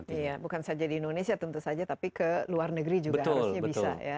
iya bukan saja di indonesia tentu saja tapi ke luar negeri juga harusnya bisa ya